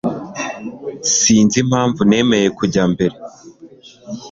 sinzi impamvu nemeye kujya mbere